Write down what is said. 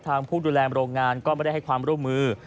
ผู้ดูแลโรงงานก็ไม่ได้ให้ความร่วมมือ